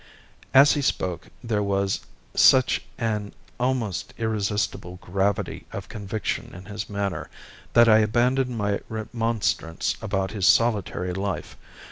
As he spoke, there was such an almost irresistible gravity of conviction in his manner that I abandoned my remonstrance about his solitary life.